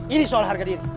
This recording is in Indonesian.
ini soal harga diri